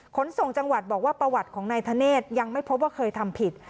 ขนส่งจังหวัดบอกว่าประวัติของนายธเนธยังไม่พบว่าเคยทำผิด